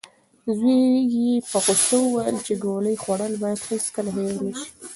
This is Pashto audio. زوی یې په غوسه وویل چې ګولۍ خوړل باید هیڅکله هېر نشي.